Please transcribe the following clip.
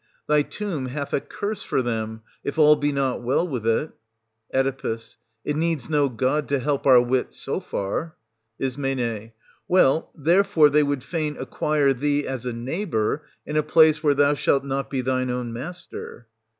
Thy tomb hath a curse for them, if all be not well with it. Oe. It needs no god to help our wit so far. Is. Well, therefore they would fain acquire thee as a neighbour, in a place where thou shalt not be thine own master.